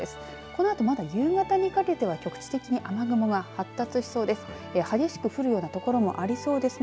このあとまだ夕方にかけては局地的に雨雲が発達しそうです。